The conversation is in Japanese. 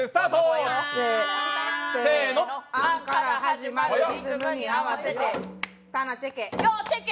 あんから始まるリズムに合わせてたなチェケ。